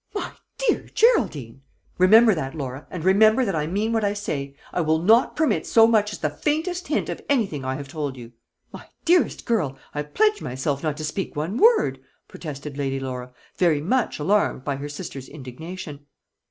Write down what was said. "My dear Geraldine!" "Remember that, Laura, and remember that I mean what I say. I will not permit so much as the faintest hint of anything I have told you." "My dearest girl, I pledge myself not to speak one word," protested Lady Laura, very much, alarmed by her sister's indignation.